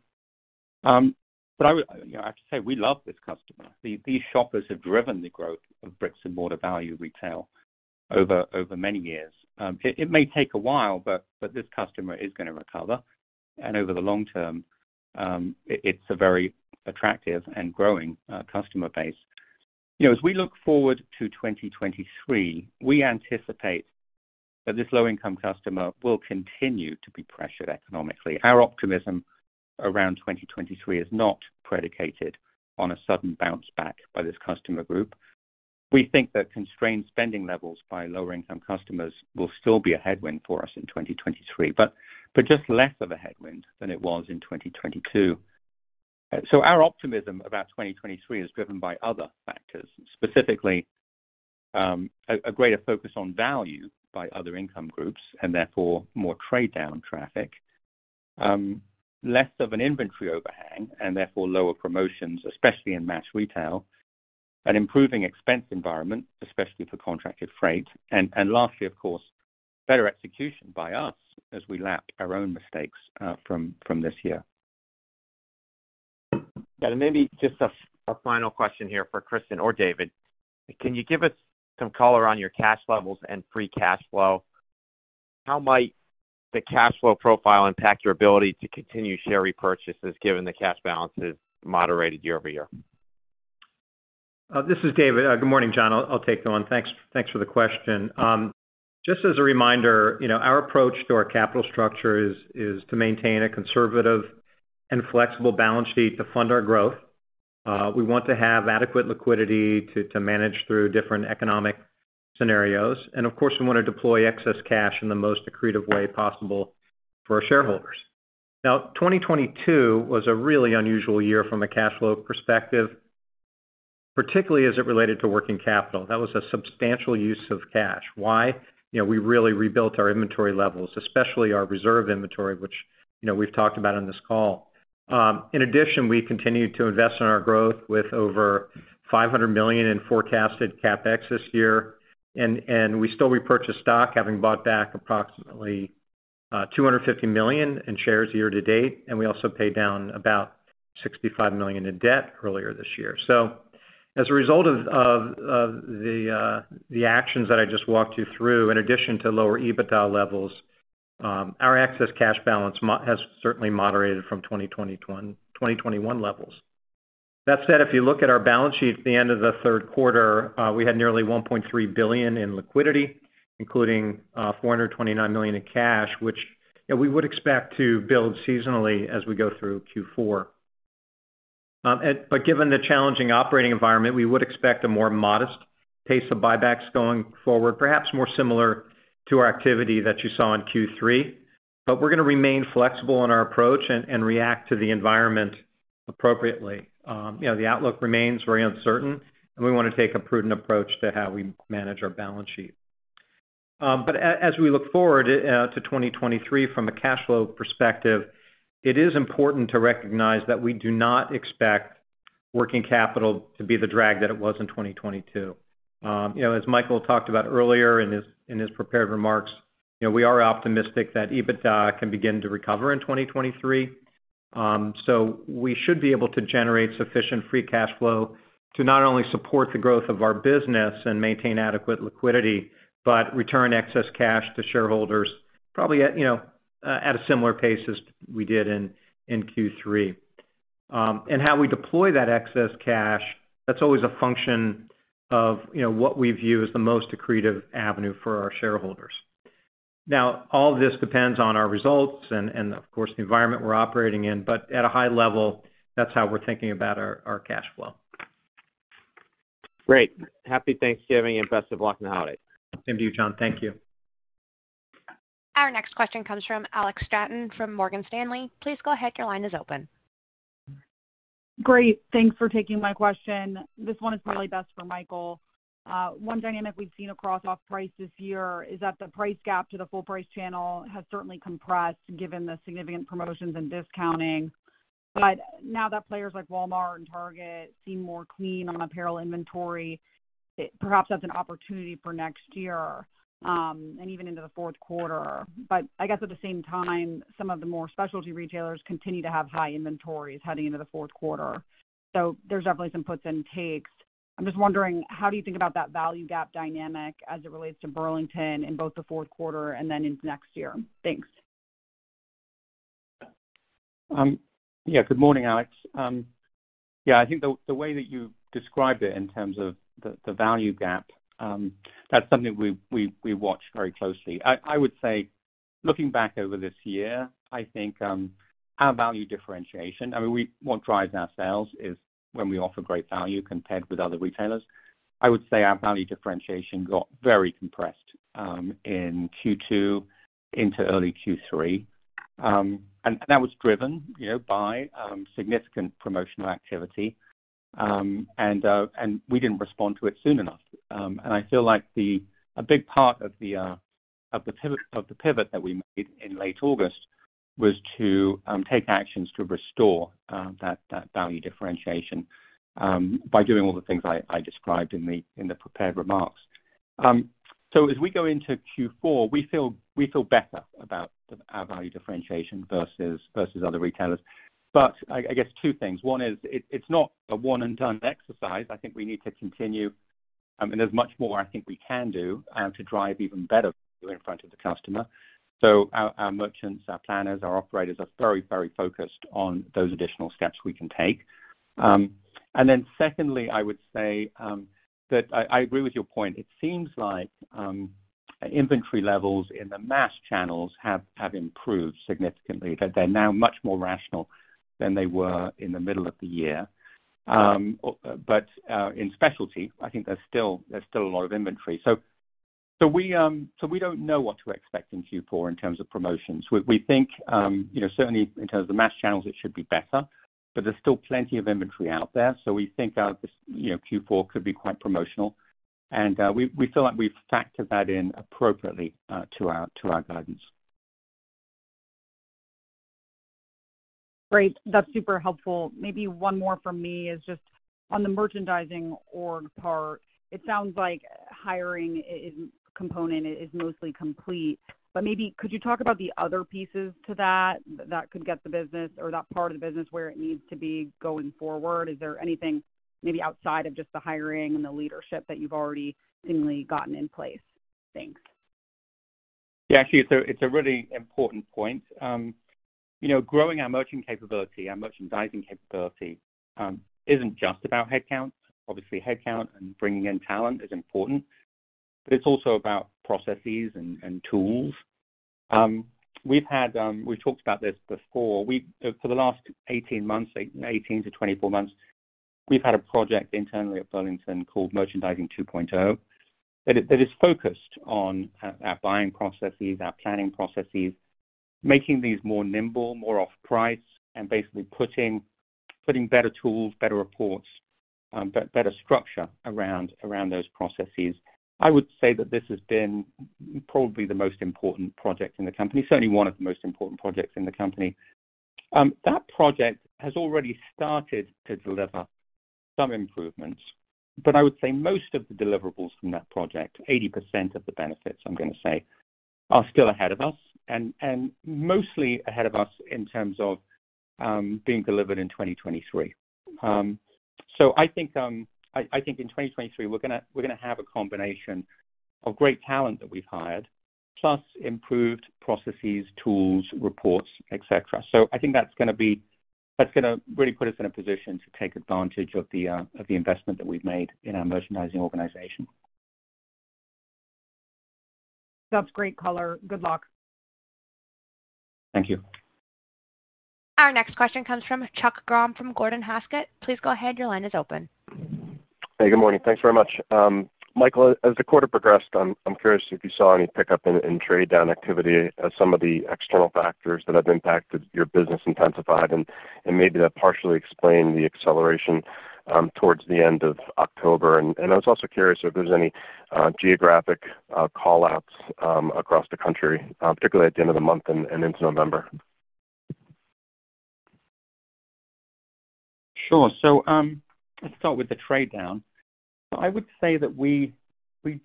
But, you know, I have to say, we love this customer. These shoppers have driven the growth of bricks-and-mortar value retail over many years. It may take a while, but this customer is gonna recover. Over the long term, it's a very attractive and growing customer base. You know, as we look forward to 2023, we anticipate that this low income customer will continue to be pressured economically. Our optimism around 2023 is not predicated on a sudden bounce back by this customer group. We think that constrained spending levels by lower income customers will still be a headwind for us in 2023, but just less of a headwind than it was in 2022. Our optimism about 2023 is driven by other factors, specifically, a greater focus on value by other income groups and therefore more trade down traffic, less of an inventory overhang and therefore lower promotions, especially in mass retail, an improving expense environment, especially for contracted freight. Lastly, of course, better execution by us as we lap our own mistakes from this year. Maybe just a final question here for Kristin or David. Can you give us some color on your cash levels and free cash flow? How might the cash flow profile impact your ability to continue share repurchases given the cash balance has moderated year-over-year? This is David. Good morning, John. I'll take that one. Thanks for the question. Just as a reminder, you know, our approach to our capital structure is to maintain a conservative and flexible balance sheet to fund our growth. We want to have adequate liquidity to manage through different economic scenarios. Of course, we wanna deploy excess cash in the most accretive way possible for our shareholders. 2022 was a really unusual year from a cash flow perspective, particularly as it related to working capital. That was a substantial use of cash. Why? You know, we really rebuilt our inventory levels, especially our reserve inventory, which, you know, we've talked about on this call. In addition, we continued to invest in our growth with over $500 million in forecasted CapEx this year. We still repurchase stock, having bought back approximately $250 million in shares year to date, and we also paid down about $65 million in debt earlier this year. As a result of the actions that I just walked you through, in addition to lower EBITDA levels, our excess cash balance has certainly moderated from 2021 levels. That said, if you look at our balance sheet at the end of the 3rd quarter, we had nearly $1.3 billion in liquidity, including $429 million in cash, which, you know, we would expect to build seasonally as we go through Q4. Given the challenging operating environment, we would expect a more modest pace of buybacks going forward, perhaps more similar to our activity that you saw in Q3. We're gonna remain flexible in our approach and react to the environment appropriately. You know, the outlook remains very uncertain, and we wanna take a prudent approach to how we manage our balance sheet. As we look forward to 2023 from a cash flow perspective, it is important to recognize that we do not expect working capital to be the drag that it was in 2022. You know, as Michael talked about earlier in his prepared remarks, you know, we are optimistic that EBITDA can begin to recover in 2023. We should be able to generate sufficient free cash flow to not only support the growth of our business and maintain adequate liquidity, but return excess cash to shareholders probably at, you know, at a similar pace as we did in Q3. How we deploy that excess cash, that's always a function of, you know, what we view as the most accretive avenue for our shareholders. All this depends on our results and of course, the environment we're operating in, but at a high level, that's how we're thinking about our cash flow. Great. Happy Thanksgiving and best of luck in the holidays. Same to you, John. Thank you. Our next question comes from Alex Straton from Morgan Stanley. Please go ahead. Your line is open. Great. Thanks for taking my question. This one is really best for Michael. One dynamic we've seen across off price this year is that the price gap to the full price channel has certainly compressed given the significant promotions and discounting. Now that players like Walmart and Target seem more clean on apparel inventory, perhaps that's an opportunity for next year, and even into the 4th quarter. I guess at the same time, some of the more specialty retailers continue to have high inventories heading into the 4th quarter. There's definitely some puts and takes. I'm just wondering how do you think about that value gap dynamic as it relates to Burlington in both the 4th quarter and then into next year? Thanks. Good morning, Alex. I think the way that you described it in terms of the value gap, that's something we watch very closely. I would say, looking back over this year, I think our value differentiation... I mean, what drives our sales is when we offer great value compared with other retailers. I would say our value differentiation got very compressed in Q2 into early Q3. And that was driven, you know, by significant promotional activity. And we didn't respond to it soon enough. And I feel like the... A big part of the pivot that we made in late August was to take actions to restore that value differentiation by doing all the things I described in the prepared remarks. As we go into Q4, we feel better about our value differentiation versus other retailers. I guess two things. One is it's not a one and done exercise. I think we need to continue, and there's much more I think we can do to drive even better value in front of the customer. Our merchants, our planners, our operators are very focused on those additional steps we can take. Secondly, I would say that I agree with your point. It seems like inventory levels in the mass channels have improved significantly. That they're now much more rational than they were in the middle of the year. In specialty, I think there's still a lot of inventory. We don't know what to expect in Q4 in terms of promotions. We think, you know, certainly in terms of mass channels, it should be better, but there's still plenty of inventory out there. We think, you know, Q4 could be quite promotional. We feel like we've factored that in appropriately to our guidance. Great. That's super helpful. Maybe one more from me is just on the merchandising org part, it sounds like hiring component is mostly complete, but maybe could you talk about the other pieces to that that could get the business or that part of the business where it needs to be going forward? Is there anything maybe outside of just the hiring and the leadership that you've already seemingly gotten in place? Thanks. Yeah. Actually, it's a really important point. You know, growing our merchant capability, our merchandising capability isn't just about headcount. Obviously, headcount and bringing in talent is important, but it's also about processes and tools. We've had. We've talked about this before. For the last 18 months, 18-24 months, we've had a project internally at Burlington called Merchandising 2.0, that is focused on our buying processes, our planning processes, making these more nimble, more off-price, and basically putting better tools, better reports, better structure around those processes. I would say that this has been probably the most important project in the company. Certainly one of the most important projects in the company. That project has already started to deliver some improvements, but I would say most of the deliverables from that project, 80% of the benefits, I'm gonna say, are still ahead of us and mostly ahead of us in terms of being delivered in 2023. I think in 2023, we're gonna have a combination of great talent that we've hired plus improved processes, tools, reports, et cetera. I think that's gonna really put us in a position to take advantage of the investment that we've made in our merchandising organization. That's great color. Good luck. Thank you. Our next question comes from Chuck Grom from Gordon Haskett. Please go ahead. Your line is open. Hey, good morning. Thanks very much. Michael, as the quarter progressed, I'm curious if you saw any pickup in trade down activity as some of the external factors that have impacted your business intensified, and maybe that partially explained the acceleration towards the end of October. I was also curious if there's any geographic call-outs across the country particularly at the end of the month and into November. Sure. Let's start with the trade down. I would say that we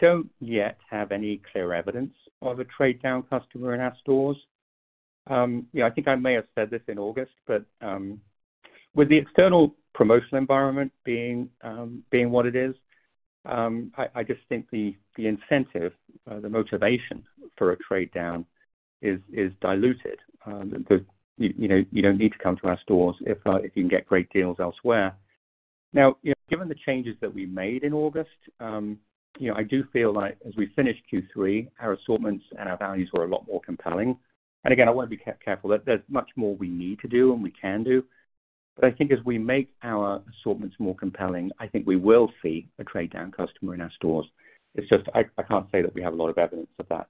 don't yet have any clear evidence of a trade down customer in our stores. Yeah, I think I may have said this in August, but with the external promotional environment being what it is, I just think the incentive, the motivation for a trade down is diluted. 'Cause, you know, you don't need to come to our stores if you can get great deals elsewhere. Now, you know, given the changes that we made in August, you know, I do feel like as we finish Q3, our assortments and our values were a lot more compelling. Again, I wanna be careful. There's much more we need to do and we can do. I think as we make our assortments more compelling, I think we will see a trade down customer in our stores. It's just I can't say that we have a lot of evidence of that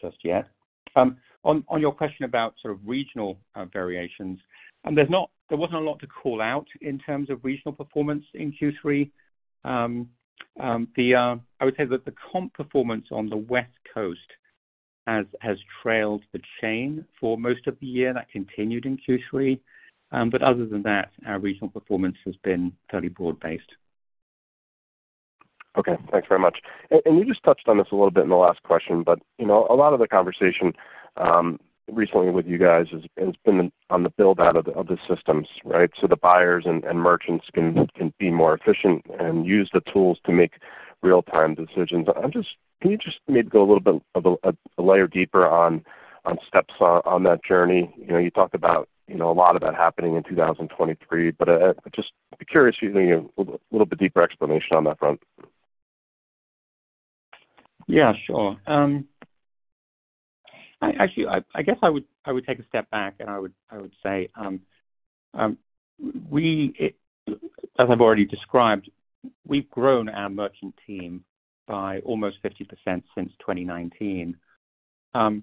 just yet. On your question about sort of regional variations, and there wasn't a lot to call out in terms of regional performance in Q3. I would say that the comp performance on the West Coast has trailed the chain for most of the year. That continued in Q3. Other than that, our regional performance has been fairly broad-based. Okay. Thanks very much. You just touched on this a little bit in the last question, but, you know, a lot of the conversation recently with you guys has been on the build out of the systems, right? The buyers and merchants can be more efficient and use the tools to make real-time decisions. Can you just maybe go a little bit of a layer deeper on steps on that journey? You know, you talk about, you know, a lot of that happening in 2023, I'd just be curious to hear a little bit deeper explanation on that front. Yeah, sure. Actually, I guess I would take a step back, and I would say, As I've already described, we've grown our merchant team by almost 50% since 2019. I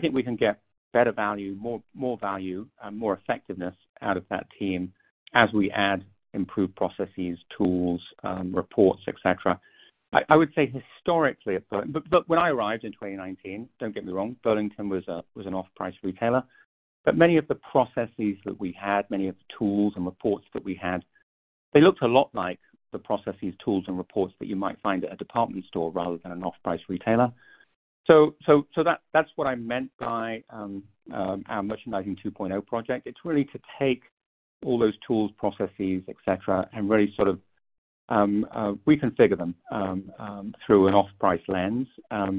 think we can get better value, more value and more effectiveness out of that team as we add improved processes, tools, reports, et cetera. I would say historically at Burlington. When I arrived in 2019, don't get me wrong, Burlington was an off-price retailer, but many of the processes that we had, many of the tools and reports that we had, they looked a lot like the processes, tools, and reports that you might find at a department store rather than an off-price retailer. That's what I meant by our Merchandising 2.0 project. It's really to take all those tools, processes, et cetera, and really sort of reconfigure them through an off-price lens. As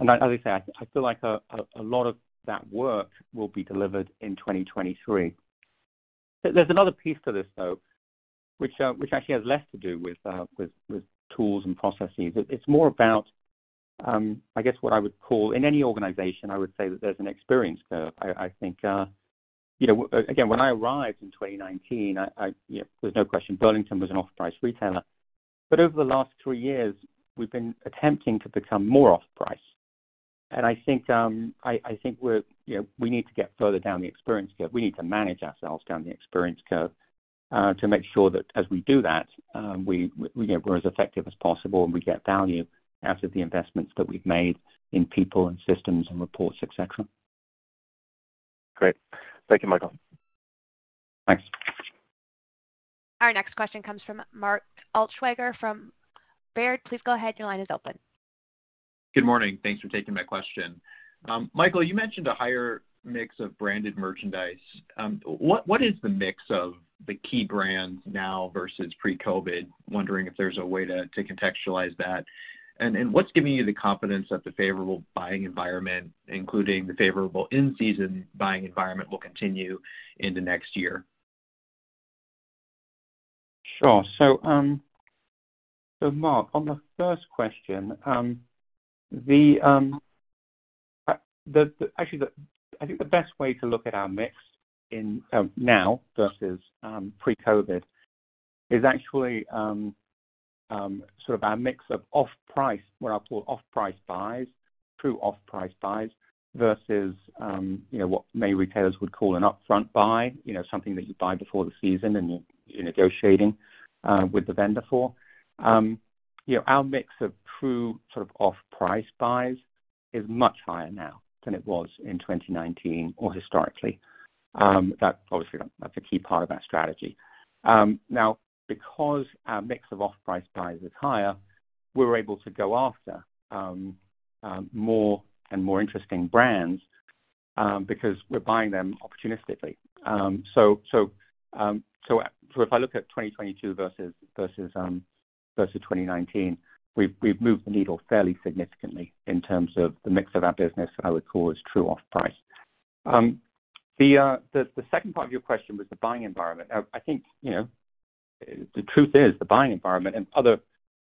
I say, I feel like a lot of that work will be delivered in 2023. There's another piece to this, though, which actually has less to do with tools and processes. It's more about, I guess, what I would call... In any organization, I would say that there's an experience curve. I think, you know, again, when I arrived in 2019, I... You know, there's no question Burlington was an off-price retailer. Over the last 3 years, we've been attempting to become more off-price. I think we're... You know, we need to get further down the experience curve. We need to manage ourselves down the experience curve, to make sure that as we do that, we, you know, we're as effective as possible and we get value out of the investments that we've made in people and systems and reports, et cetera. Great. Thank you, Michael. Thanks. Our next question comes from Mark Altschwager from Baird. Please go ahead. Your line is open. Good morning. Thanks for taking my question. Michael, you mentioned a higher mix of branded merchandise. What is the mix of the key brands now versus pre-COVID? Wondering if there's a way to contextualize that. What's giving you the confidence that the favorable buying environment, including the favorable in-season buying environment, will continue into next year? Sure. Mark, on the first question, I think the best way to look at our mix in now versus pre-COVID is actually sort of our mix of off-price, what I call off-price buys, true off-price buys versus, you know, what many retailers would call an upfront buy. You know, something that you buy before the season and you're negotiating with the vendor for. You know, our mix of true sort of off-price buys is much higher now than it was in 2019 or historically. That obviously, that's a key part of our strategy. Now because our mix of off-price buys is higher, we're able to go after more and more interesting brands because we're buying them opportunistically. If I look at 2022 versus 2019, we've moved the needle fairly significantly in terms of the mix of our business that I would call as true off-price. The second part of your question was the buying environment. I think, you know, the truth is the buying environment and other,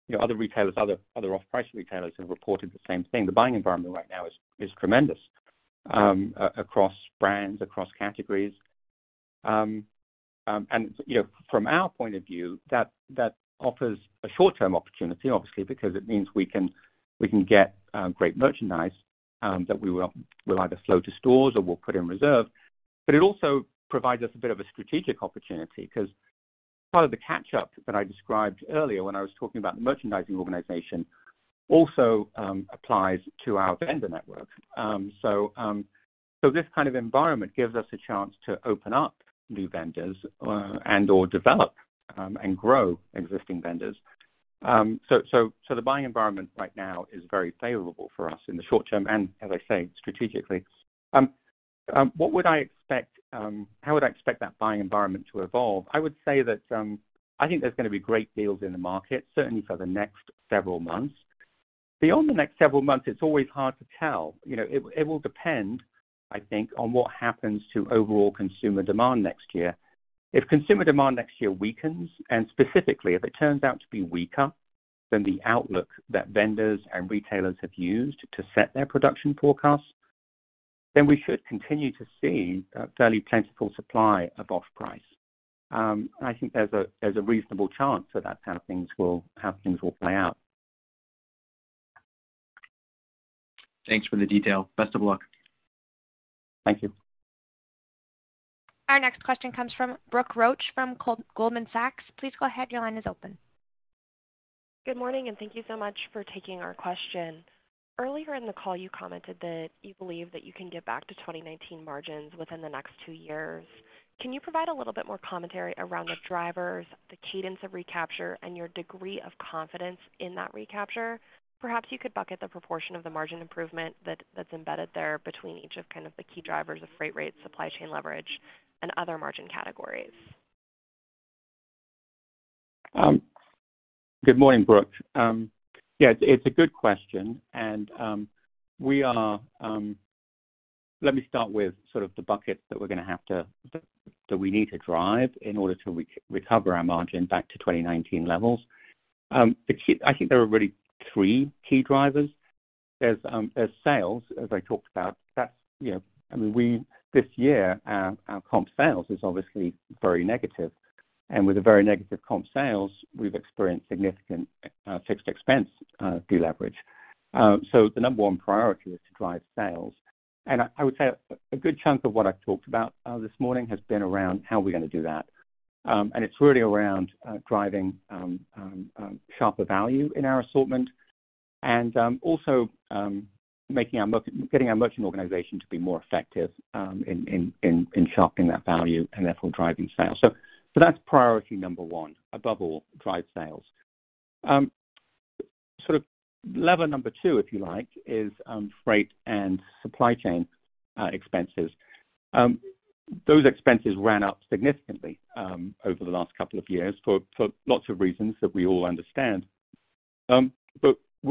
you know, other retailers, other off-price retailers have reported the same thing. The buying environment right now is tremendous across brands, across categories. You know, from our point of view, that offers a short-term opportunity, obviously, because it means we can get great merchandise that we'll either flow to stores or we'll put in reserve. It also provides us a bit of a strategic opportunity because part of the catch-up that I described earlier when I was talking about the merchandising organization also applies to our vendor network. This kind of environment gives us a chance to open up new vendors, and/or develop and grow existing vendors. The buying environment right now is very favorable for us in the short term, and as I say, strategically. How would I expect that buying environment to evolve? I would say that, I think there's gonna be great deals in the market, certainly for the next several months. Beyond the next several months, it's always hard to tell. You know, it will depend, I think, on what happens to overall consumer demand next year. If consumer demand next year weakens, and specifically, if it turns out to be weaker than the outlook that vendors and retailers have used to set their production forecasts, then we should continue to see a fairly plentiful supply of off-price. I think there's a reasonable chance that how things will play out. Thanks for the detail. Best of luck. Thank you. Our next question comes from Brooke Roach from Goldman Sachs. Please go ahead. Your line is open. Good morning. Thank you so much for taking our question. Earlier in the call, you commented that you believe that you can get back to 2019 margins within the next 2 years. Can you provide a little bit more commentary around the drivers, the cadence of recapture and your degree of confidence in that recapture? Perhaps you could bucket the proportion of the margin improvement that's embedded there between each of kind of the key drivers of freight rate, supply chain leverage and other margin categories. Good morning, Brooke. Yeah, it's a good question. We are. Let me start with sort of the bucket that we need to drive in order to re-recover our margin back to 2019 levels. The key. I think there are really 3 key drivers. There's, there's sales, as I talked about. That's, you know, I mean, this year, our comp sales is obviously very negative. With a very negative comp sales, we've experienced significant fixed expense deleverage. The number one priority is to drive sales. I would say a good chunk of what I've talked about this morning has been around how we're gonna do that. It's really around driving sharper value in our assortment and also getting our merchant organization to be more effective in sharpening that value and therefore driving sales. That's priority number one, above all, drive sales. Sort of lever number two, if you like, is freight and supply chain expenses. Those expenses ran up significantly over the last couple of years for lots of reasons that we all understand. We're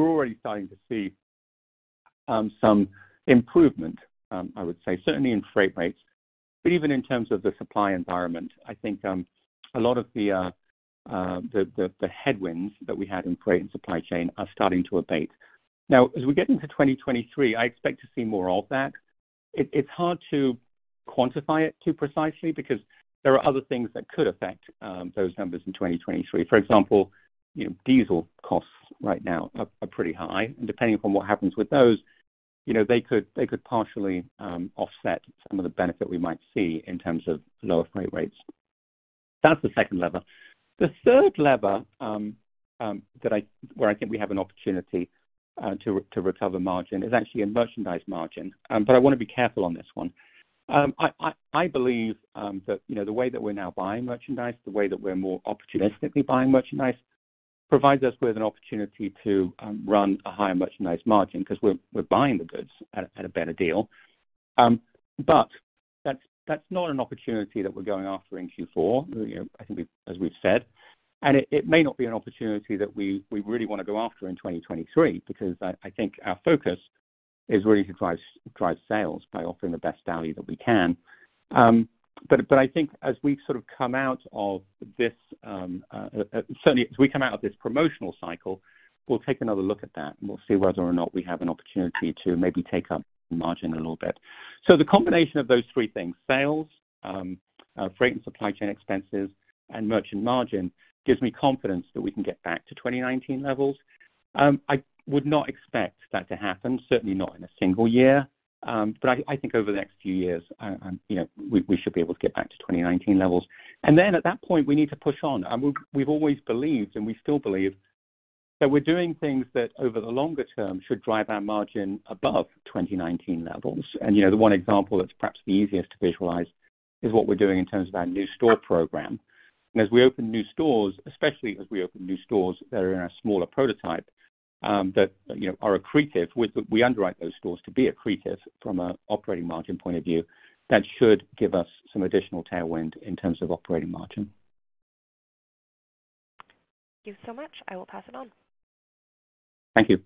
already starting to see some improvement, I would say, certainly in freight rates, but even in terms of the supply environment. I think a lot of the headwinds that we had in freight and supply chain are starting to abate. Now as we get into 2023, I expect to see more of that. It's hard to quantify it too precisely because there are other things that could affect those numbers in 2023. For example, you know, diesel costs right now are pretty high. Depending upon what happens with those, you know, they could partially offset some of the benefit we might see in terms of lower freight rates. That's the second lever. The 3rd lever where I think we have an opportunity to recover margin is actually in merchandise margin. I wanna be careful on this one. I believe that, you know, the way that we're now buying merchandise, the way that we're more opportunistically buying merchandise provides us with an opportunity to run a higher merchandise margin 'cause we're buying the goods at a better deal. That's not an opportunity that we're going after in Q4, you know, as we've said. It may not be an opportunity that we really wanna go after in 2023 because I think our focus is really to drive sales by offering the best value that we can. I think as we sort of come out of this, certainly as we come out of this promotional cycle, we'll take another look at that, and we'll see whether or not we have an opportunity to maybe take up margin a little bit. The combination of those three things, sales, freight and supply chain expenses, and merchant margin gives me confidence that we can get back to 2019 levels. I would not expect that to happen, certainly not in a single year. I think over the next few years, you know, we should be able to get back to 2019 levels. At that point, we need to push on. We've always believed, and we still believe that we're doing things that over the longer term should drive our margin above 2019 levels. You know, the one example that's perhaps the easiest to visualize is what we're doing in terms of our new store program. As we open new stores, especially as we open new stores that are in our smaller prototype, that, you know, are accretive. We underwrite those stores to be accretive from a operating margin point of view. That should give us some additional tailwind in terms of operating margin. Thank you so much. I will pass it on. Thank you.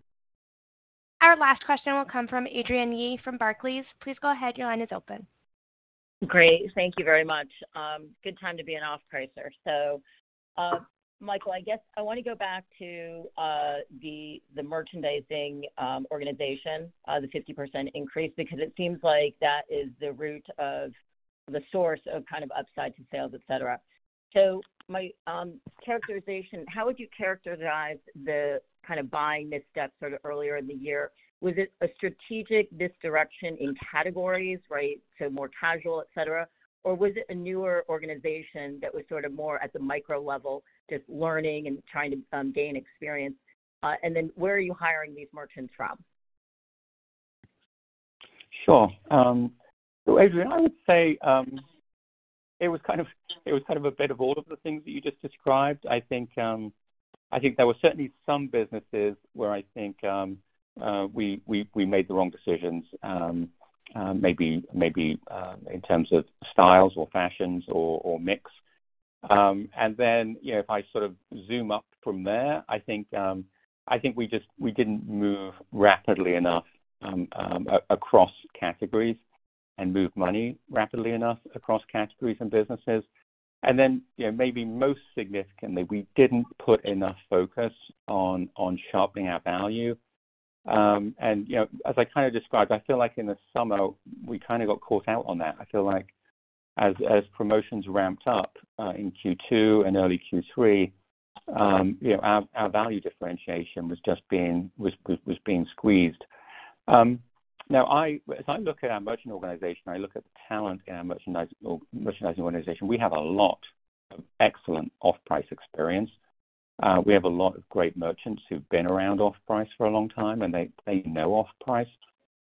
Our last question will come from Adrienne Yih from Barclays. Please go ahead. Your line is open. Great. Thank you very much. Good time to be an off-pricer. Michael, I guess I wanna go back to the merchandising organization, the 50% increase, because it seems like that is the root of the source of kind of upside to sales, et cetera. My characterization, how would you characterize the kind of buying misstep sort of earlier in the year? Was it a strategic misdirection in categories, right, to more casual, et cetera? Or was it a newer organization that was sort of more at the micro level, just learning and trying to gain experience? Then where are you hiring these merchants from? Sure. Adrienne, I would say, it was kind of a bit of all of the things that you just described. I think, I think there were certainly some businesses where I think we made the wrong decisions, maybe in terms of styles or fashions or mix. You know, if I sort of zoom up from there, I think, I think we just, we didn't move rapidly enough across categories and move money rapidly enough across categories and businesses. You know, maybe most significantly, we didn't put enough focus on sharpening our value. You know, as I kind of described, I feel like in the summer we kinda got caught out on that. I feel like as promotions ramped up in Q2 and early Q3, you know, our value differentiation was just being squeezed. Now as I look at our merchant organization, I look at the talent in our merchandising organization, we have a lot of excellent off-price experience. We have a lot of great merchants who've been around off-price for a long time, and they know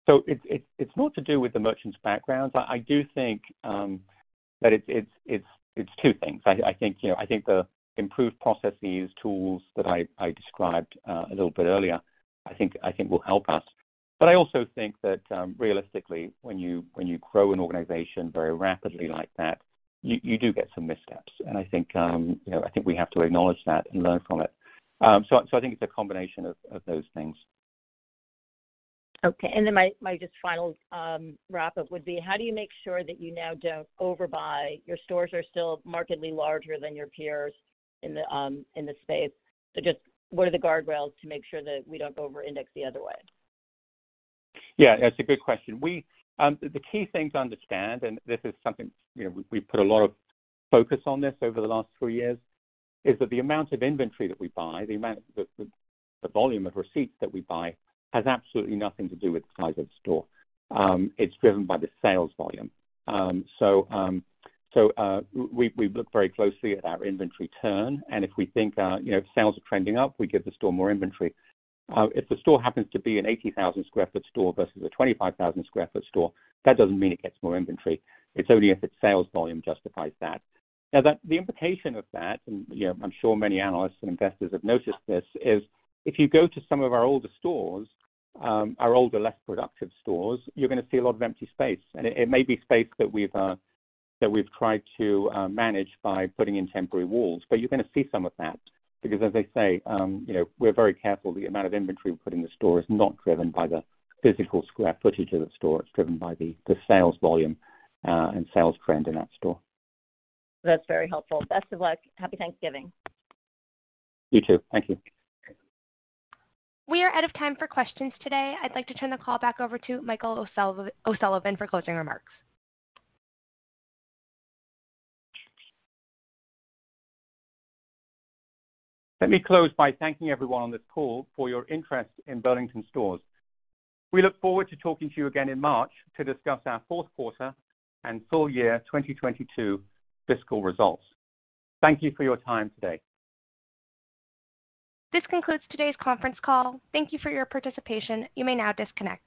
off-price. It's not to do with the merchants' backgrounds. I do think that it's two things. I think, you know, I think the improved processes, tools that I described a little bit earlier I think will help us. I also think that, realistically, when you grow an organization very rapidly like that, you do get some missteps. I think, you know, I think we have to acknowledge that and learn from it. I think it's a combination of those things. Okay. My just final wrap up would be, how do you make sure that you now don't overbuy? Your stores are still markedly larger than your peers in the in the space. Just what are the guardrails to make sure that we don't over-index the other way? Yeah, that's a good question. We, the key thing to understand, and this is something, you know, we've put a lot of focus on this over the last 3 years, is that the amount of inventory that we buy, the volume of receipts that we buy has absolutely nothing to do with the size of the store. It's driven by the sales volume. We look very closely at our inventory turn, and if we think, you know, sales are trending up, we give the store more inventory. If the store happens to be an 80,000 sq ft store versus a 25,000 sq ft store, that doesn't mean it gets more inventory. It's only if its sales volume justifies that. The implication of that, and, you know, I'm sure many analysts and investors have noticed this, is if you go to some of our older stores, our older, less productive stores, you're gonna see a lot of empty space. It may be space that we've that we've tried to manage by putting in temporary walls, but you're gonna see some of that because, as I say, you know, we're very careful the amount of inventory we put in the store is not driven by the physical square footage of the store. It's driven by the sales volume and sales trend in that store. That's very helpful. Best of luck. Happy Thanksgiving. You too. Thank you. We are out of time for questions today. I'd like to turn the call back over to Michael O'Sullivan for closing remarks. Let me close by thanking everyone on this call for your interest in Burlington Stores. We look forward to talking to you again in March to discuss our 4th quarter and full year 2022 fiscal results. Thank you for your time today. This concludes today's conference call. Thank Thank you for your participation. You may now disconnect.